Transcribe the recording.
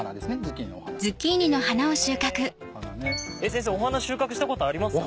先生花収穫したことありますか？